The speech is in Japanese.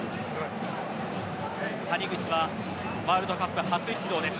谷口はワールドカップ初出場です。